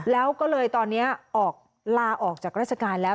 แล้วก็เลยตอนนี้ออกลาออกจากราชการแล้ว